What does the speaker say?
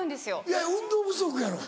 いや運動不足やろ。